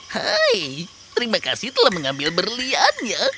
hai terima kasih telah mengambil berliannya